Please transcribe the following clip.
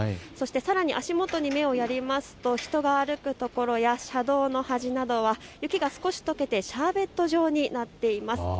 そしてさらに足元に目をやりますと人が歩くところや車道の端などは雪が少しとけてシャーベット状になっています。